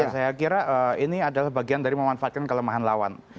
saya kira ini adalah bagian dari memanfaatkan kelemahan lawan